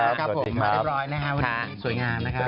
มาถูกวันเรียบร้อยนะครับสวยงามนะครับ